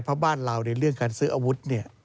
เพราะบ้านเราในเรื่องการซื้ออาวุธเนี่ย